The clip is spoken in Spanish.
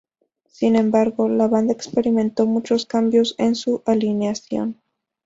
Sin embargo, la banda experimentó muchos cambios en su alineación.